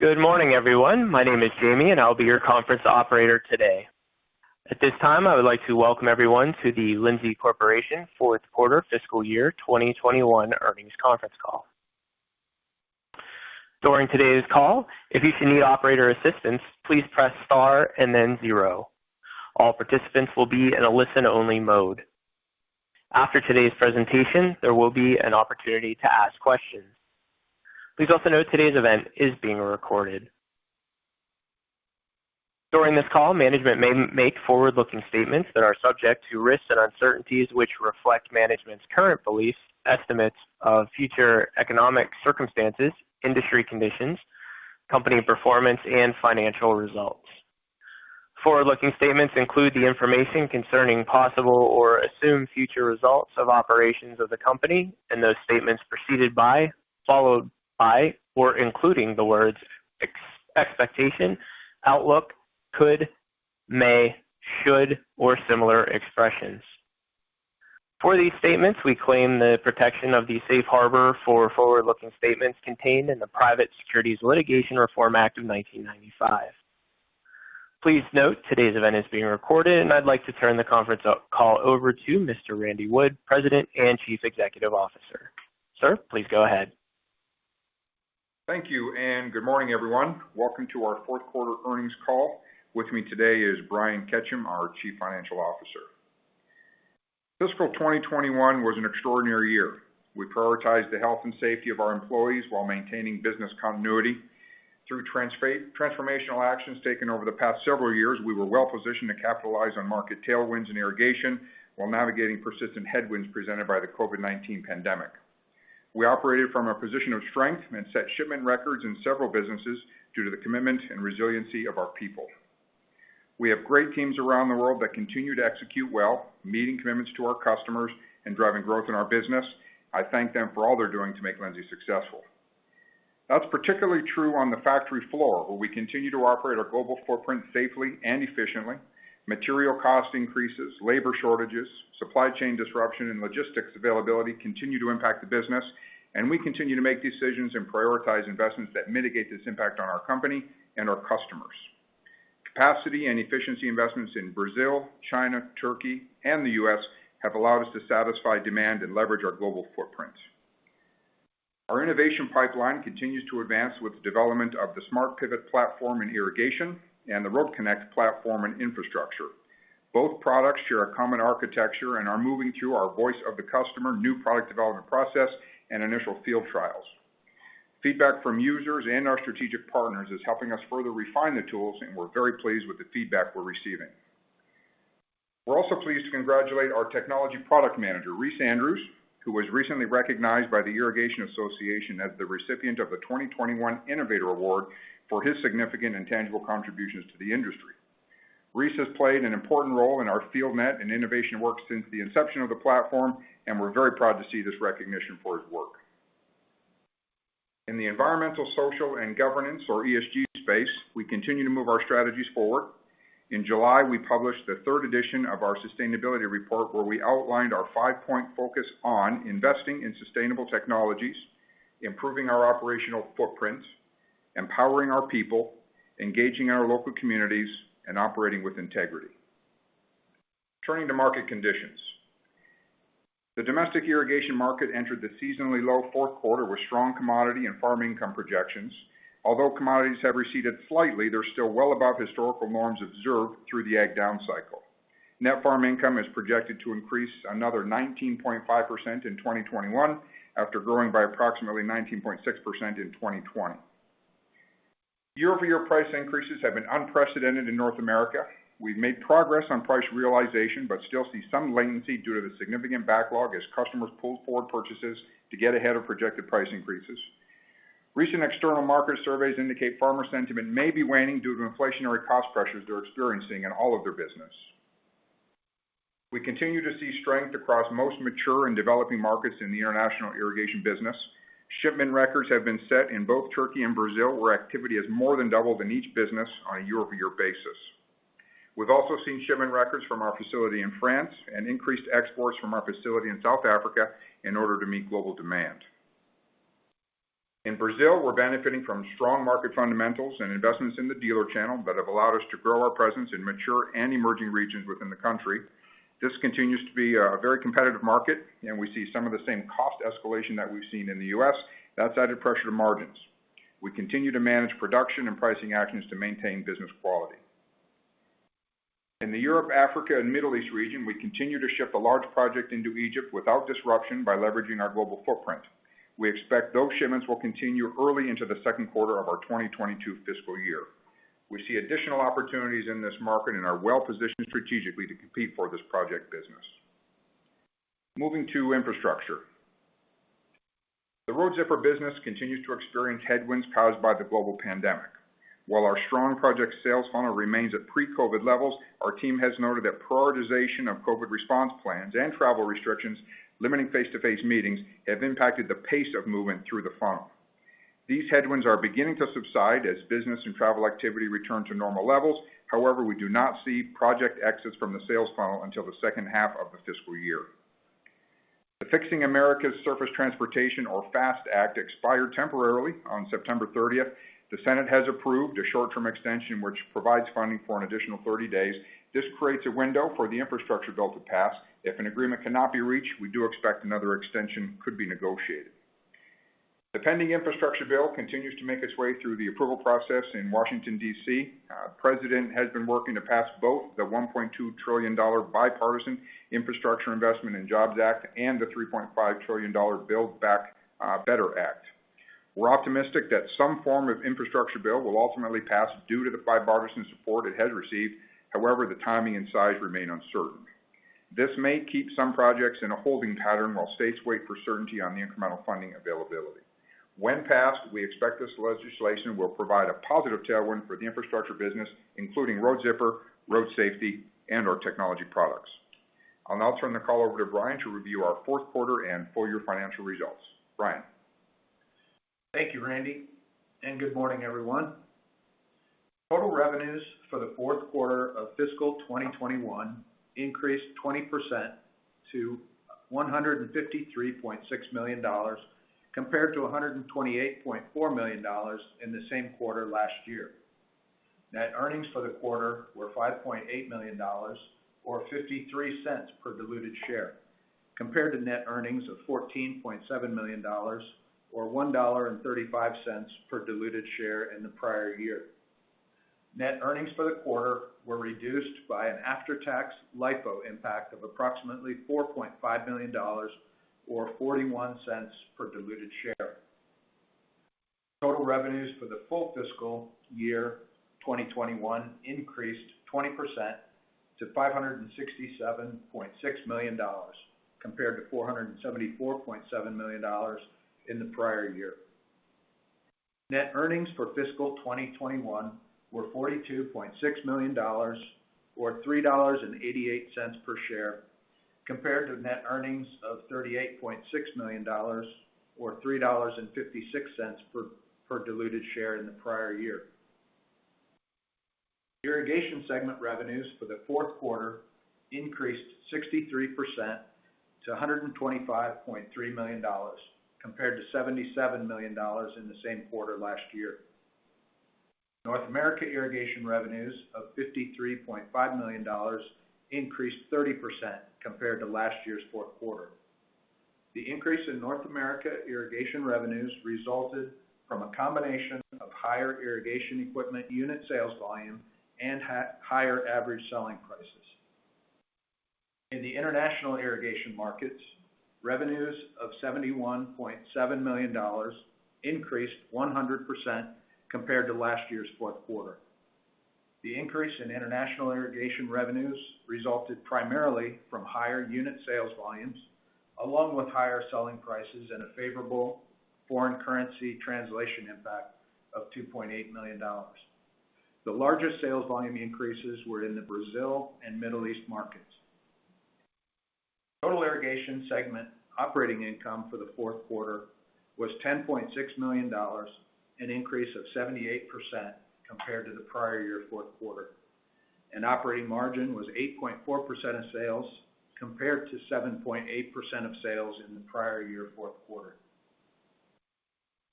Good morning, everyone. My name is Jamie, and I'll be your conference operator today. At this time, I would like to welcome everyone to the Lindsay Corporation fourth quarter fiscal year 2021 earnings conference call. During today's call, if you need operator assistance, please press star and then zero. All participants will be in a listen-only mode. After today's presentation, there will be an opportunity to ask questions. Please also note today's event is being recorded. During this call, management may make forward-looking statements that are subject to risks and uncertainties which reflect management's current beliefs, estimates of future economic circumstances, industry conditions, company performance, and financial results. Forward-looking statements include the information concerning possible or assumed future results of operations of the company, and those statements preceded by, followed by, or including the words expectation, outlook, could, may, should, or similar expressions. For these statements, we claim the protection of the safe harbor for forward-looking statements contained in the Private Securities Litigation Reform Act of 1995. Please note today's event is being recorded, and I'd like to turn the conference call over to Mr. Randy Wood, President and Chief Executive Officer. Sir, please go ahead. Thank you. Good morning, everyone. Welcome to our fourth quarter earnings call. With me today is Brian Ketcham, our Chief Financial Officer. Fiscal 2021 was an extraordinary year. We prioritized the health and safety of our employees while maintaining business continuity through transformational actions taken over the past several years. We were well-positioned to capitalize on market tailwinds in irrigation while navigating persistent headwinds presented by the COVID-19 pandemic. We operated from a position of strength and set shipment records in several businesses due to the commitment and resiliency of our people. We have great teams around the world that continue to execute well, meeting commitments to our customers and driving growth in our business. I thank them for all they're doing to make Lindsay successful. That's particularly true on the factory floor, where we continue to operate our global footprint safely and efficiently. Material cost increases, labor shortages, supply chain disruption, and logistics availability continue to impact the business, and we continue to make decisions and prioritize investments that mitigate this impact on our company and our customers. Capacity and efficiency investments in Brazil, China, Turkey, and the U.S. have allowed us to satisfy demand and leverage our global footprint. Our innovation pipeline continues to advance with the development of the SmartPivot platform in irrigation and the RoadConnect platform in infrastructure. Both products share a common architecture and are moving through our voice of the customer new product development process and initial field trials. Feedback from users and our strategic partners is helping us further refine the tools. We're very pleased with the feedback we're receiving. We're also pleased to congratulate our technology product manager, Reece Andrews, who was recently recognized by the Irrigation Association as the recipient of the 2021 Innovator Award for his significant and tangible contributions to the industry. Reece has played an important role in our FieldNET and innovation work since the inception of the platform, and we're very proud to see this recognition for his work. In the environmental, social, and governance or ESG space, we continue to move our strategies forward. In July, we published the third edition of our sustainability report where we outlined our five-point focus on investing in sustainable technologies, improving our operational footprints, empowering our people, engaging our local communities, and operating with integrity. Turning to market conditions. The domestic irrigation market entered the seasonally low fourth quarter with strong commodity and farm income projections. Although commodities have receded slightly, they're still well above historical norms observed through the ag down cycle. Net farm income is projected to increase another 19.5% in 2021 after growing by approximately 19.6% in 2020. Year-over-year price increases have been unprecedented in North America. We've made progress on price realization but still see some latency due to the significant backlog as customers pull forward purchases to get ahead of projected price increases. Recent external market surveys indicate farmer sentiment may be waning due to inflationary cost pressures they're experiencing in all of their business. We continue to see strength across most mature and developing markets in the international irrigation business. Shipment records have been set in both Turkey and Brazil, where activity has more than doubled in each business on a year-over-year basis. We've also seen shipment records from our facility in France and increased exports from our facility in South Africa in order to meet global demand. In Brazil, we're benefiting from strong market fundamentals and investments in the dealer channel that have allowed us to grow our presence in mature and emerging regions within the country. This continues to be a very competitive market, and we see some of the same cost escalation that we've seen in the U.S. that's added pressure to margins. We continue to manage production and pricing actions to maintain business quality. In the Europe, Africa, and Middle East region, we continue to ship a large project into Egypt without disruption by leveraging our global footprint. We expect those shipments will continue early into the second quarter of our 2022 fiscal year. We see additional opportunities in this market and are well-positioned strategically to compete for this project business. Moving to infrastructure. The Road Zipper business continues to experience headwinds caused by the global pandemic. While our strong project sales funnel remains at pre-COVID levels, our team has noted that prioritization of COVID response plans and travel restrictions limiting face-to-face meetings have impacted the pace of movement through the funnel. These headwinds are beginning to subside as business and travel activity return to normal levels. However, we do not see project exits from the sales funnel until the second half of the fiscal year. The Fixing America's Surface Transportation, or FAST Act, expired temporarily on September 30th. The Senate has approved a short-term extension which provides funding for an additional 30 days. This creates a window for the infrastructure bill to pass. If an agreement cannot be reached, we do expect another extension could be negotiated. The pending infrastructure bill continues to make its way through the approval process in Washington, D.C. President has been working to pass both the $1.2 trillion bipartisan Infrastructure Investment and Jobs Act and the $3.5 trillion Build Back Better Act. We're optimistic that some form of infrastructure bill will ultimately pass due to the bipartisan support it has received. However, the timing and size remain uncertain. This may keep some projects in a holding pattern while states wait for certainty on the incremental funding availability. When passed, we expect this legislation will provide a positive tailwind for the infrastructure business, including Road Zipper, road safety, and our technology products. I'll now turn the call over to Brian to review our fourth quarter and full-year financial results. Brian? Thank you, Randy, and good morning, everyone. Total revenues for the fourth quarter of fiscal 2021 increased 20% to $153.6 million, compared to $128.4 million in the same quarter last year. Net earnings for the quarter were $5.8 million, or $0.53 per diluted share, compared to net earnings of $14.7 million, or $1.35 per diluted share in the prior year. Net earnings for the quarter were reduced by an after-tax LIFO impact of approximately $4.5 million, or $0.41 per diluted share. Total revenues for the full fiscal year 2021 increased 20% to $567.6 million, compared to $474.7 million in the prior year. Net earnings for fiscal 2021 were $42.6 million, or $3.88 per share, compared to net earnings of $38.6 million, or $3.56 per diluted share in the prior year. Irrigation segment revenues for the fourth quarter increased 63% to $125.3 million, compared to $77 million in the same quarter last year. North America irrigation revenues of $53.5 million increased 30% compared to last year's fourth quarter. The increase in North America irrigation revenues resulted from a combination of higher irrigation equipment unit sales volume and higher average selling prices. In the international irrigation markets, revenues of $71.7 million increased 100% compared to last year's fourth quarter. The increase in international irrigation revenues resulted primarily from higher unit sales volumes, along with higher selling prices and a favorable foreign currency translation impact of $2.8 million. The largest sales volume increases were in the Brazil and Middle East markets. Total irrigation segment operating income for the fourth quarter was $10.6 million, an increase of 78% compared to the prior year fourth quarter, and operating margin was 8.4% of sales, compared to 7.8% of sales in the prior year fourth quarter.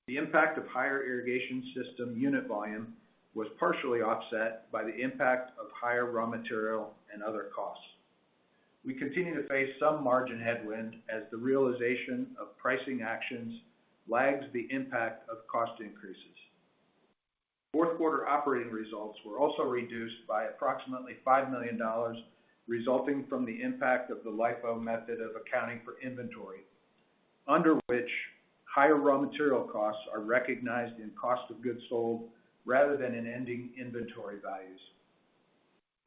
The impact of higher irrigation system unit volume was partially offset by the impact of higher raw material and other costs. We continue to face some margin headwind as the realization of pricing actions lags the impact of cost increases. Fourth quarter operating results were also reduced by approximately $5 million, resulting from the impact of the LIFO method of accounting for inventory, under which higher raw material costs are recognized in cost of goods sold rather than in ending inventory values.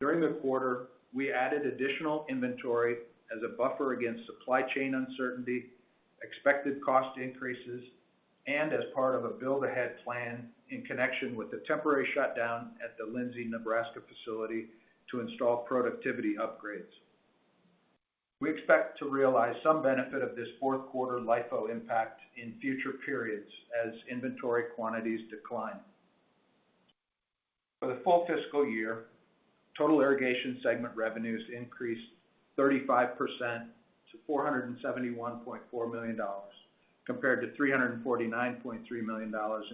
During the quarter, we added additional inventory as a buffer against supply chain uncertainty, expected cost increases, and as part of a build-ahead plan in connection with the temporary shutdown at the Lindsay Nebraska facility to install productivity upgrades. We expect to realize some benefit of this fourth quarter LIFO impact in future periods as inventory quantities decline. For the full fiscal year, total irrigation segment revenues increased 35% to $471.4 million, compared to $349.3 million in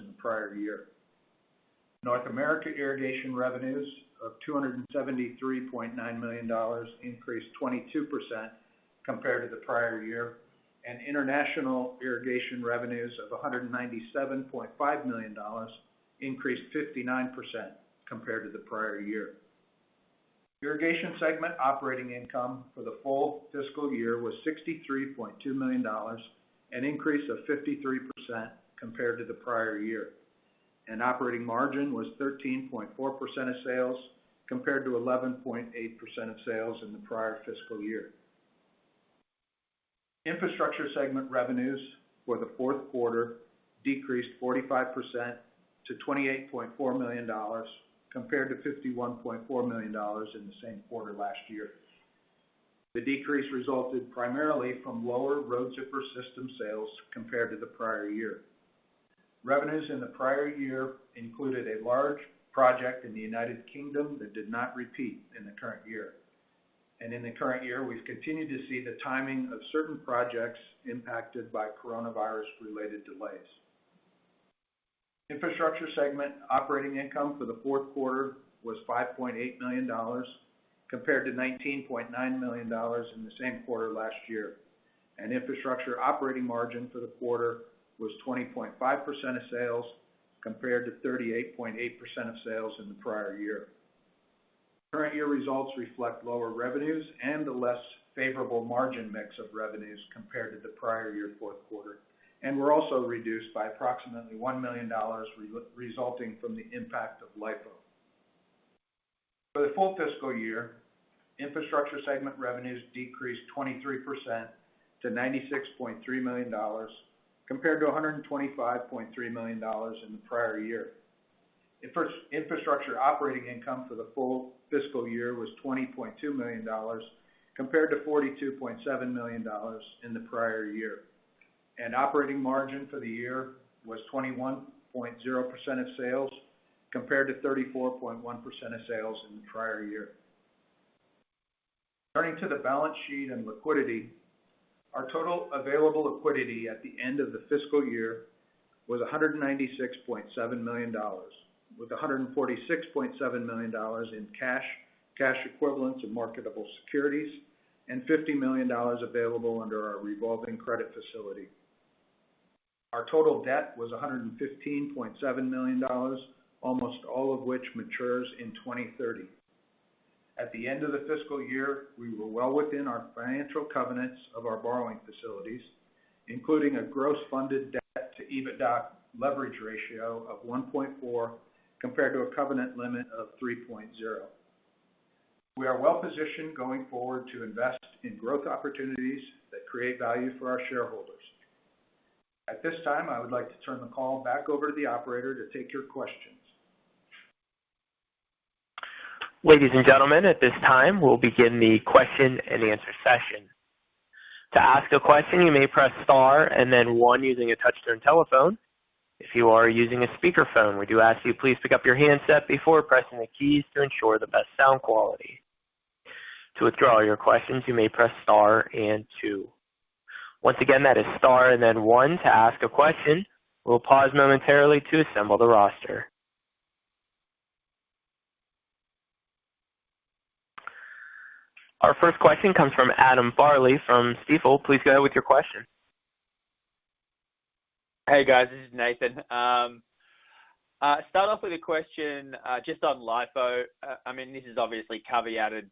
the prior year. North America irrigation revenues of $273.9 million increased 22% compared to the prior year, and international irrigation revenues of $197.5 million increased 59% compared to the prior year. Irrigation segment operating income for the full fiscal year was $63.2 million, an increase of 53% compared to the prior year, and operating margin was 13.4% of sales, compared to 11.8% of sales in the prior fiscal year. Infrastructure segment revenues for the fourth quarter decreased 45% to $28.4 million, compared to $51.4 million in the same quarter last year. The decrease resulted primarily from lower Road Zipper system sales compared to the prior year. Revenues in the prior year included a large project in the U.K. that did not repeat in the current year. In the current year, we've continued to see the timing of certain projects impacted by coronavirus-related delays. Infrastructure segment operating income for the fourth quarter was $5.8 million, compared to $19.9 million in the same quarter last year. Infrastructure operating margin for the quarter was 20.5% of sales, compared to 38.8% of sales in the prior year. Current year results reflect lower revenues and a less favorable margin mix of revenues compared to the prior year fourth quarter, and were also reduced by approximately $1 million resulting from the impact of LIFO. For the full fiscal year, infrastructure segment revenues decreased 23% to $96.3 million, compared to $125.3 million in the prior year. Infrastructure operating income for the full fiscal year was $20.2 million, compared to $42.7 million in the prior year. Operating margin for the year was 21.0% of sales, compared to 34.1% of sales in the prior year. Turning to the balance sheet and liquidity, our total available liquidity at the end of the fiscal year was $196.7 million, with $146.7 million in cash equivalents, and marketable securities, and $50 million available under our revolving credit facility. Our total debt was $115.7 million, almost all of which matures in 2030. At the end of the fiscal year, we were well within our financial covenants of our borrowing facilities, including a gross funded debt to EBITDA leverage ratio of 1.4x, compared to a covenant limit of 3.0x. We are well-positioned going forward to invest in growth opportunities that create value for our shareholders. At this time, I would like to turn the call back over to the operator to take your questions. Ladies and gentlemen, at this time, we'll begin the question and answer session. To ask a question, you may press star and then one using a touch-tone telephone. If you are using a speakerphone, we do ask you please pick up your handset before pressing the keys to ensure the best sound quality. To withdraw your questions, you may press star and two. Once again, that is star and then one to ask a question. We'll pause momentarily to assemble the roster. Our first question comes from Adam Farley from Stifel. Please go ahead with your question. Hey, guys. This is Nathan. Start off with a question just on LIFO. This is obviously caveated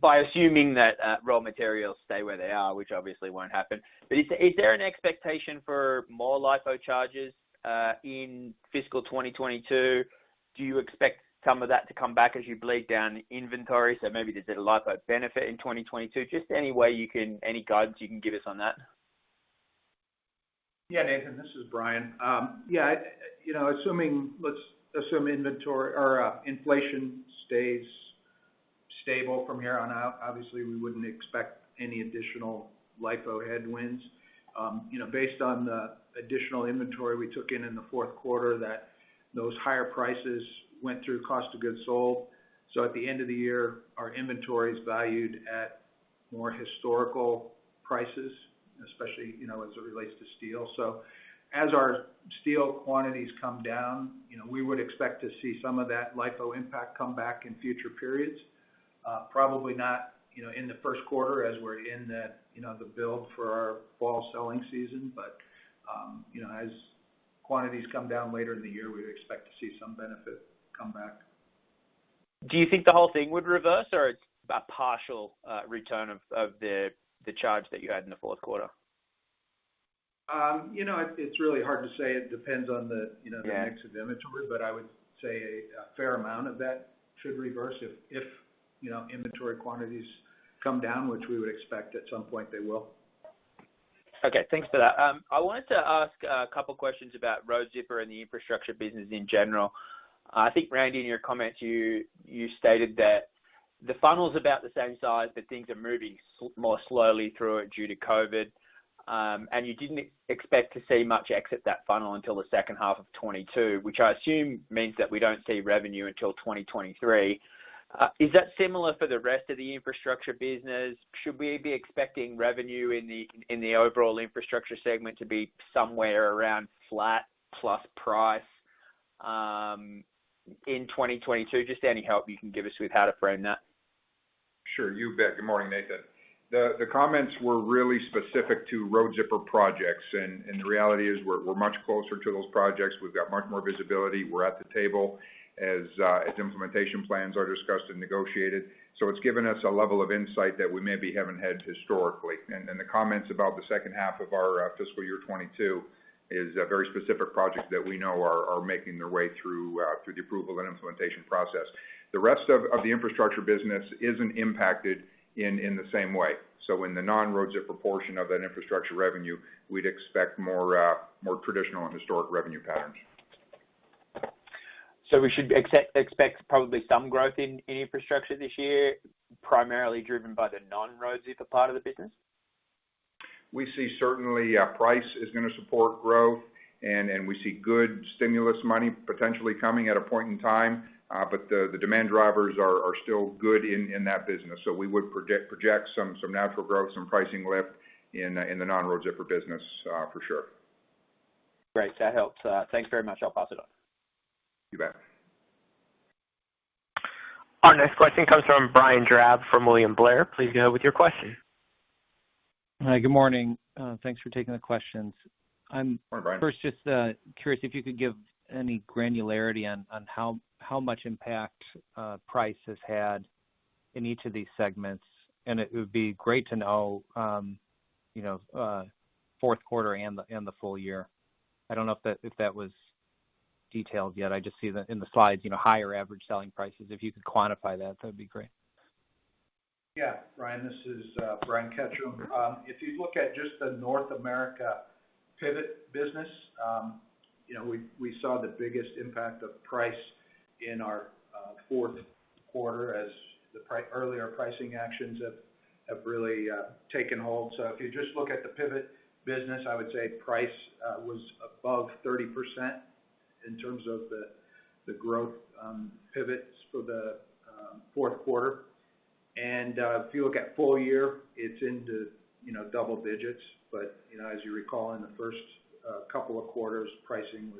by assuming that raw materials stay where they are, which obviously won't happen. Is there an expectation for more LIFO charges in fiscal 2022? Do you expect some of that to come back as you bleed down the inventory, so maybe there's a LIFO benefit in 2022? Just any way you can, any guidance you can give us on that? Yeah, Nathan. This is Brian. Yeah. Let's assume inventory or inflation stays stable from here on out. Obviously, we wouldn't expect any additional LIFO headwinds. Based on the additional inventory we took in the fourth quarter, those higher prices went through cost of goods sold. At the end of the year, our inventory is valued at more historical prices, especially, as it relates to steel. As our steel quantities come down, we would expect to see some of that LIFO impact come back in future periods. Probably not in the first quarter as we're in the build for our fall selling season. As quantities come down later in the year, we'd expect to see some benefit come back. Do you think the whole thing would reverse, or it's a partial return of the charge that you had in the fourth quarter? It's really hard to say. Yeah mix of inventory. I would say a fair amount of that should reverse if inventory quantities come down, which we would expect at some point they will. Okay. Thanks for that. I wanted to ask a couple questions about Road Zipper and the infrastructure business in general. I think, Randy, in your comments, you stated that the funnel's about the same size, but things are moving more slowly through it due to COVID. You didn't expect to see much exit that funnel until the second half of 2022, which I assume means that we don't see revenue until 2023. Is that similar for the rest of the infrastructure business? Should we be expecting revenue in the overall infrastructure segment to be somewhere around flat plus price in 2022? Just any help you can give us with how to frame that? Sure. You bet. Good morning, Nathan. The comments were really specific to Road Zipper projects. The reality is, we're much closer to those projects. We've got much more visibility. We're at the table as implementation plans are discussed and negotiated. It's given us a level of insight that we maybe haven't had historically. The comments about the second half of our fiscal year 2022 is very specific projects that we know are making their way through the approval and implementation process. The rest of the infrastructure business isn't impacted in the same way. In the non-Road Zipper portion of that infrastructure revenue, we'd expect more traditional and historic revenue patterns. We should expect probably some growth in infrastructure this year, primarily driven by the non-Road Zipper part of the business? We see certainly price is going to support growth. We see good stimulus money potentially coming at a point in time. The demand drivers are still good in that business. We would project some natural growth, some pricing lift in the non-Road Zipper business for sure. Great. That helps. Thanks very much. I'll pass it on. You bet. Our next question comes from Brian Drab from William Blair. Please go ahead with your question. Hi. Good morning. Thanks for taking the questions. Good morning, Brian. First, just curious if you could give any granularity on how much impact price has had in each of these segments. It would be great to know fourth quarter and the full year. I don't know if that was detailed yet. I just see that in the slides, higher average selling prices. If you could quantify that would be great. Yeah. Brian, this is Brian Ketcham. If you look at just the North America pivot business, we saw the biggest impact of price in our fourth quarter as the earlier pricing actions have really taken hold. If you just look at the pivot business, I would say price was above 30% in terms of the growth pivots for the fourth quarter. If you look at full year, it's into double digits. As you recall, in the first couple of quarters, pricing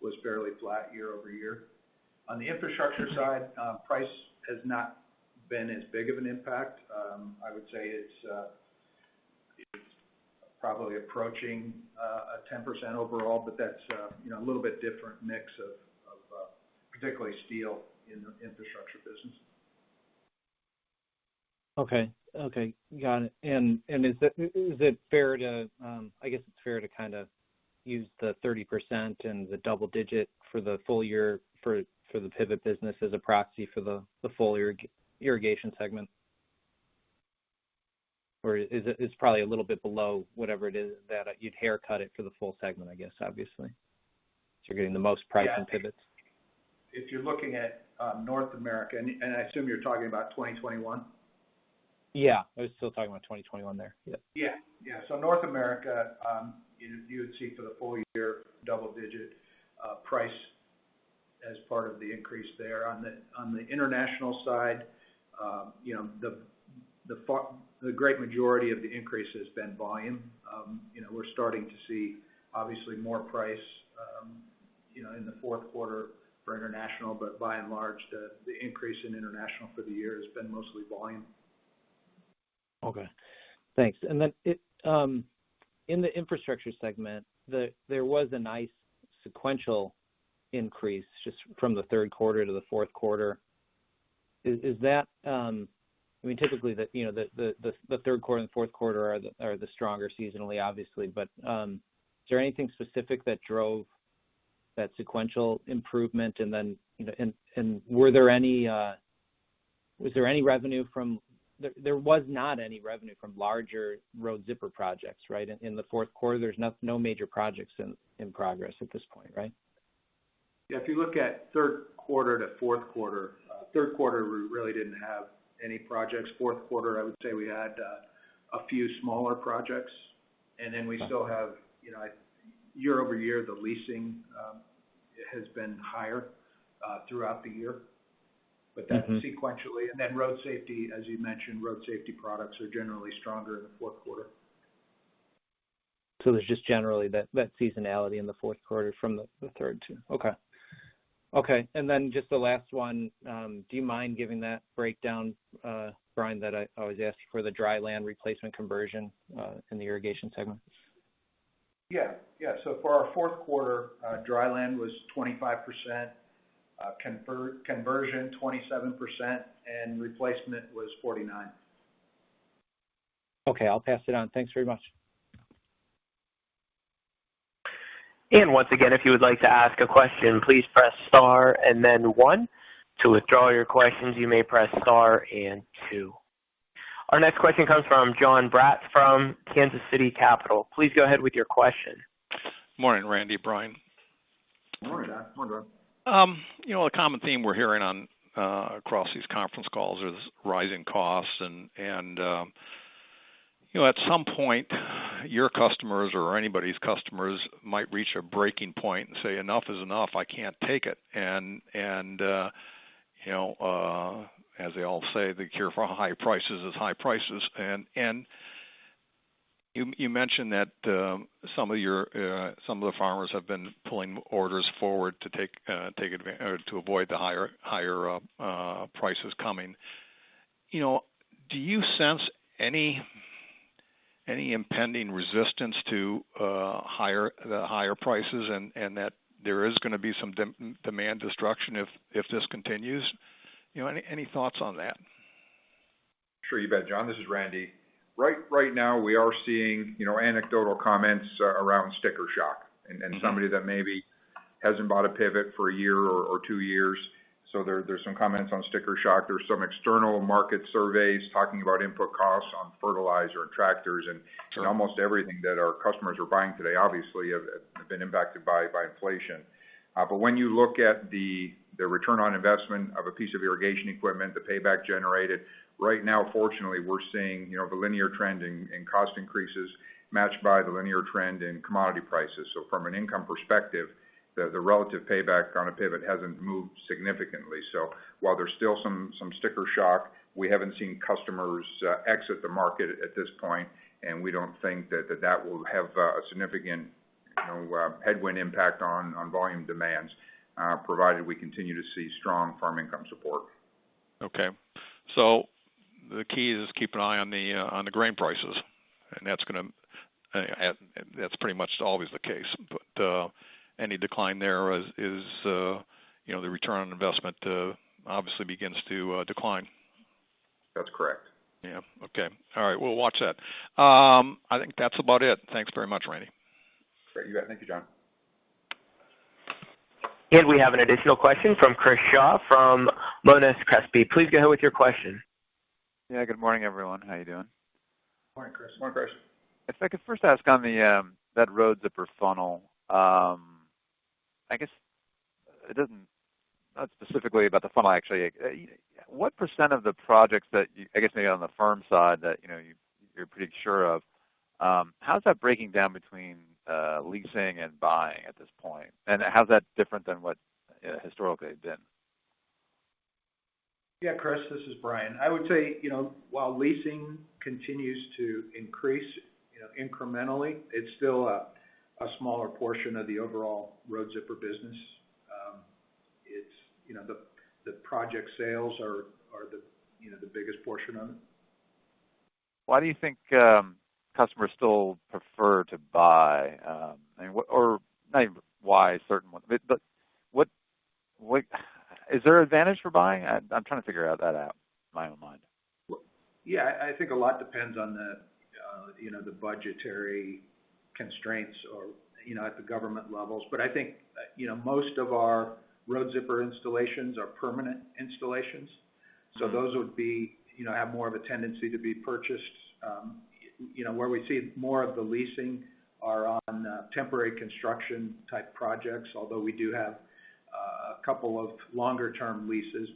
was fairly flat year-over-year. On the infrastructure side, price has not been as big of an impact. I would say it's probably approaching a 10% overall, but that's a little bit different mix of particularly steel in the infrastructure business. Okay. Got it. I guess it's fair to use the 30% and the double digit for the full year for the pivot business as a proxy for the full irrigation segment. It's probably a little bit below whatever it is that you'd haircut it for the full segment, I guess, obviously. You're getting the most price in pivots. If you're looking at North America, and I assume you're talking about 2021? Yeah. I was still talking about 2021 there. Yeah. Yeah. North America, you would see for the full year double-digit price as part of the increase there. On the international side, the great majority of the increase has been volume. We're starting to see, obviously, more price in the fourth quarter for international, but by and large, the increase in international for the year has been mostly volume. Okay. Thanks. Then in the infrastructure segment, there was a nice sequential increase just from the third quarter to the fourth quarter. Typically, the third quarter and fourth quarter are the stronger seasonally, obviously. Is there anything specific that drove that sequential improvement? There was not any revenue from larger Road Zipper projects, right? In the fourth quarter, there's no major projects in progress at this point, right? Yeah. If you look at third quarter to fourth quarter, third quarter, we really didn't have any projects. Fourth quarter, I would say we had a few smaller projects, and then we still have year-over-year, the leasing has been higher throughout the year. That's sequentially. Road safety, as you mentioned, road safety products are generally stronger in the fourth quarter. There's just generally that seasonality in the fourth quarter from the third, too. Okay. Then just the last one. Do you mind giving that breakdown, Brian, that I always ask for the dryland replacement conversion in the irrigation segment? Yeah. For our fourth quarter, dryland was 25%, conversion 27%, and replacement was 49%. Okay. I'll pass it on. Thanks very much. Once again, if you would like to ask a question, please press star and then one. To withdraw your questions, you may press star and two. Our next question comes from Jonathan Braatz from Kansas City Capital. Please go ahead with your question. Morning, Randy, Brian. Morning, Jonathan. A common theme we're hearing across these conference calls is rising costs. At some point, your customers or anybody's customers might reach a breaking point and say, "Enough is enough. I can't take it." As they all say, the cure for high prices is high prices. You mentioned that some of the farmers have been pulling orders forward to avoid the higher prices coming. Do you sense any impending resistance to the higher prices and that there is going to be some demand destruction if this continues? Any thoughts on that? Sure you bet, Jonathan. This is Randy. Right now we are seeing anecdotal comments around sticker shock and somebody that maybe hasn't bought a pivot for a year or two years. There's some comments on sticker shock. There's some external market surveys talking about input costs on fertilizer and tractors and. Sure Almost everything that our customers are buying today, obviously, have been impacted by inflation. When you look at the return on investment of a piece of irrigation equipment, the payback generated, right now, fortunately, we're seeing the linear trend in cost increases matched by the linear trend in commodity prices. From an income perspective, the relative payback on a pivot hasn't moved significantly. While there's still some sticker shock, we haven't seen customers exit the market at this point, and we don't think that that will have a significant headwind impact on volume demands, provided we continue to see strong farm income support. The key is keep an eye on the grain prices. That's pretty much always the case. Any decline there is the return on investment obviously begins to decline. That's correct. Yeah. Okay. All right. We'll watch that. I think that's about it. Thanks very much, Randy. Great. Thank you, Jonathan Braatz. We have an additional question from Chris Shaw from Monness Crespi. Please go ahead with your question. Yeah, good morning, everyone. How you doing? Morning, Chris. Morning, Chris. If I could first ask on that Road Zipper funnel. I guess not specifically about the funnel, actually. What percent of the projects that, I guess maybe on the farm side that you're pretty sure of, how's that breaking down between leasing and buying at this point? How's that different than what historically it's been? Yeah, Chris, this is Brian. I would say, while leasing continues to increase incrementally, it's still a smaller portion of the overall Road Zipper business. The project sales are the biggest portion of it. Why do you think customers still prefer to buy? Not even why certain ones, but is there advantage for buying? I'm trying to figure that out in my own mind. Yeah, I think a lot depends on the budgetary constraints or at the government levels. I think most of our Road Zipper installations are permanent installations. Those would have more of a tendency to be purchased. Where we see more of the leasing are on temporary construction-type projects, although we do have a couple of longer-term leases.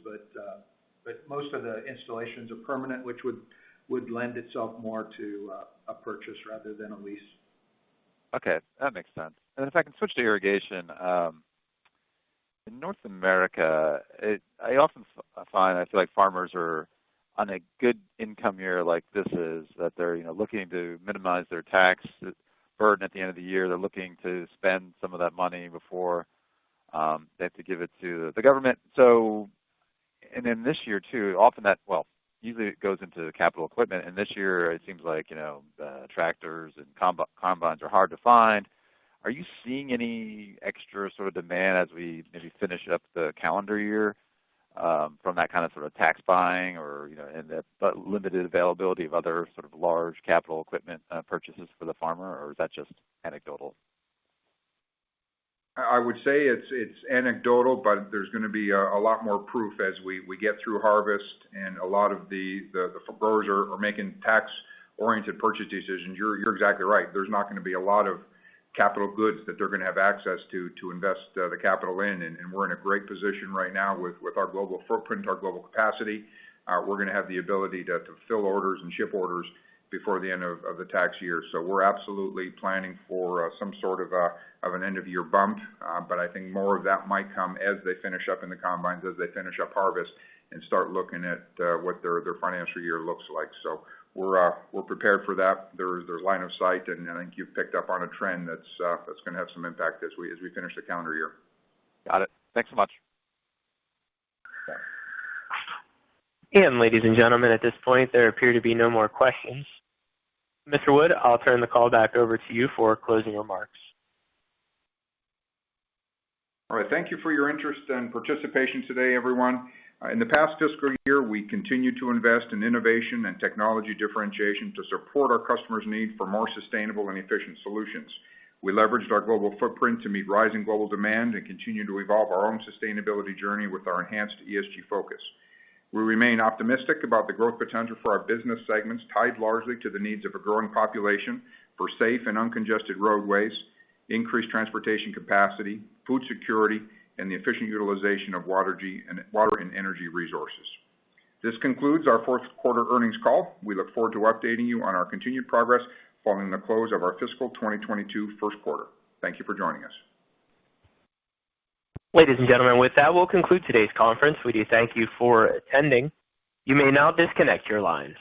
Most of the installations are permanent, which would lend itself more to a purchase rather than a lease. Okay. That makes sense. If I can switch to irrigation. In North America, I often find I feel like farmers are on a good income year like this is, that they're looking to minimize their tax burden at the end of the year. They're looking to spend some of that money before they have to give it to the government. Then this year, too, usually it goes into capital equipment. This year, it seems like the tractors and combines are hard to find. Are you seeing any extra sort of demand as we maybe finish up the calendar year from that kind of sort of tax buying or, and that limited availability of other sort of large capital equipment purchases for the farmer, or is that just anecdotal? I would say it's anecdotal, but there's gonna be a lot more proof as we get through harvest and a lot of the growers are making tax-oriented purchase decisions. You're exactly right. There's not gonna be a lot of capital goods that they're gonna have access to invest the capital in. We're in a great position right now with our global footprint, our global capacity. We're gonna have the ability to fill orders and ship orders before the end of the tax year. We're absolutely planning for some sort of an end-of-year bump. I think more of that might come as they finish up in the combines, as they finish up harvest and start looking at what their financial year looks like. We're prepared for that. There's line of sight, and I think you've picked up on a trend that's gonna have some impact as we finish the calendar year. Got it. Thanks so much. Okay. Ladies and gentlemen, at this point, there appear to be no more questions. Mr. Wood, I'll turn the call back over to you for closing remarks. All right. Thank you for your interest and participation today, everyone. In the past fiscal year, we continued to invest in innovation and technology differentiation to support our customers' need for more sustainable and efficient solutions. We leveraged our global footprint to meet rising global demand and continue to evolve our own sustainability journey with our enhanced ESG focus. We remain optimistic about the growth potential for our business segments, tied largely to the needs of a growing population for safe and uncongested roadways, increased transportation capacity, food security, and the efficient utilization of water and energy resources. This concludes our fourth quarter earnings call. We look forward to updating you on our continued progress following the close of our fiscal 2022 first quarter. Thank you for joining us. Ladies and gentlemen, with that, we'll conclude today's conference. We do thank you for attending. You may now disconnect your lines.